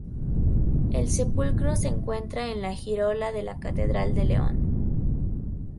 El sepulcro se encuentra en la girola de la Catedral de León.